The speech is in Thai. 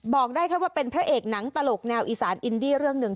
บอกได้แค่ว่าเป็นพระเอกหนังตลกแนวอีสานอินดี้เรื่องหนึ่ง